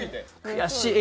悔しい！